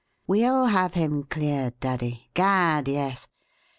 We'll have him cleared, daddy gad, yes!